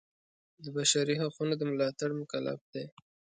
د بشري حقونو د ملاتړ مکلف دی.